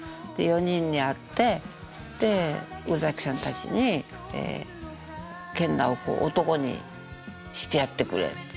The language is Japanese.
４人に会って宇崎さんたちに「研ナオコを男にしてやってくれ」って。